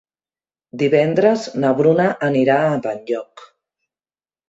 Divendres na Bruna anirà a Benlloc.